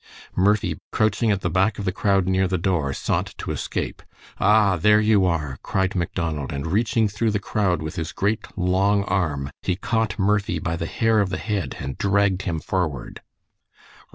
Murphy, crouching at the back of the crowd near the door, sought to escape. "Ah! there you are!" cried Macdonald, and reaching through the crowd with his great, long arm, he caught Murphy by the hair of the head and dragged him forward.